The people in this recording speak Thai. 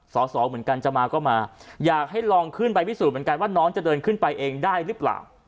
สอสอเหมือนกันจะมาก็มาอยากให้ลองขึ้นไปพิสูจน์เหมือนกันว่าน้องจะเดินขึ้นไปเองได้หรือเปล่า